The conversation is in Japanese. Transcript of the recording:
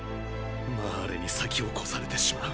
マーレに先を越されてしまう。